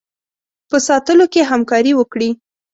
په ساتلو کې همکاري وکړي.